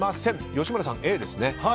吉村さん、Ａですね。